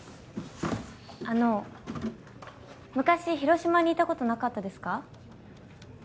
あの昔広島にいたことなかったですか？